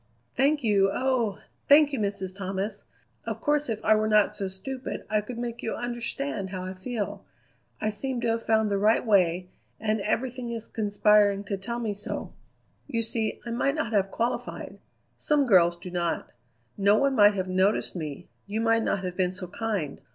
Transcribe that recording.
"Thank you, oh! thank you, Mrs. Thomas! Of course, if I were not so stupid I could make you understand how I feel. I seem to have found the right way, and everything is conspiring to tell me so. You see, I might not have qualified; some girls do not. No one might have noticed me; you might not have been so kind.